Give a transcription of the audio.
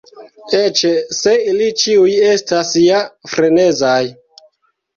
Eĉ se ili ĉiuj estas ja frenezaj.